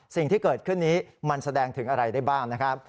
สิ่งที่เกิดขึ้นนี้มันแสดงถึงอะไรได้บ้างนะครับ